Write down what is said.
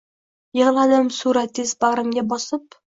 Yigladim suratiz bagrimga bosib